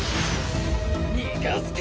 逃がすか！